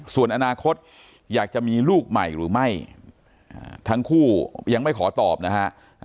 ส่วนอนาคตอยากจะมีลูกใหม่หรือไม่ทั้งคู่ยังไม่ขอตอบนะฮะ